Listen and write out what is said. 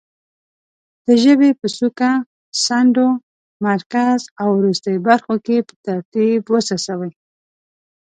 د ژبې په څوکه، څنډو، مرکز او وروستۍ برخو کې په ترتیب وڅڅوي.